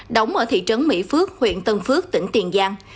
đóng ở thị trấn mỹ phước huyện tân phước tỉnh tiền giang